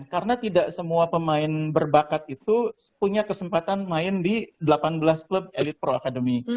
karena tidak semua pemain berbakat itu punya kesempatan main di delapan belas klub elite pro academy